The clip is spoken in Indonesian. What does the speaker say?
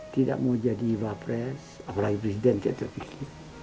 tidak mau jadi iba pres apalagi presiden kita terpikir